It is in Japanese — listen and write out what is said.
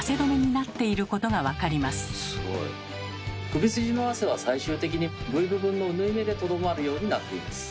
首筋の汗は最終的にＶ部分の縫い目でとどまるようになっています。